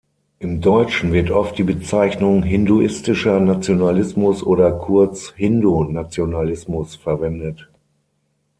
Im Deutschen wird oft die Bezeichnung hinduistischer Nationalismus oder kurz Hindu-Nationalismus verwendet.